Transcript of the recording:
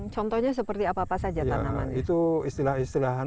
contohnya seperti apa apa saja tanaman